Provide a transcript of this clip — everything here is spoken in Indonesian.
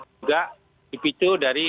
juga dipicu dari